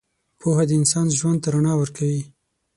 پوهه د انسان ژوند ته رڼا ورکوي.